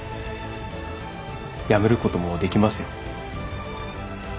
やめることもできますよ。